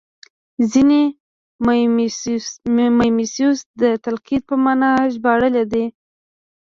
ځینې میمیسیس د تقلید په مانا ژباړلی دی